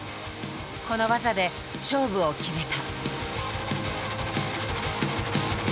この技で勝負を決めた。